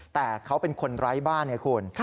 แต่เขาเป็นคนไร้บ้านไงคุณ